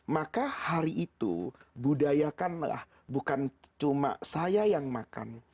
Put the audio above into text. maka hari itu budayakanlah bukan cuma saya yang makan